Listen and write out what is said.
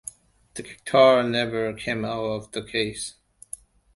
The guitar never came out of the case.